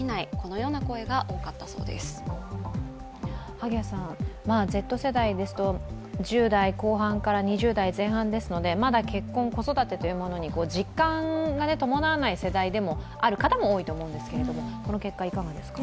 萩谷さん、Ｚ世代ですと１０代後半から２０代前半ですのでまだ結婚、子育てというものに実感が伴わない世代でもあるかと思いますけどこの結果、いかがですか？